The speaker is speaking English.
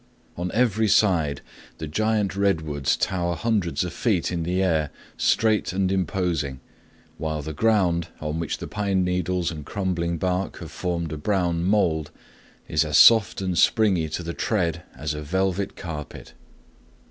On every side the giant redwoods tower hundreds of feet in air, straight and imposing, while the ground, on which the pine needles and crumbling bark have formed a brown mold, is as soft and springy to the tread as a velvet carpet.